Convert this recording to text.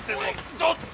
ちょっと！